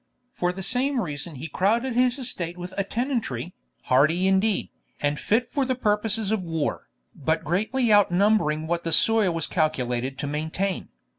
For the same reason he crowded his estate with a tenantry, hardy indeed, and fit for the purposes of war, but greatly outnumbering what the soil was calculated to maintain.